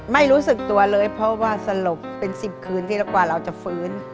ไม่รู้สึกตัวเลยเพราะว่าสลบเป็น๑๐คืนทีละกว่าเราจะฟื้น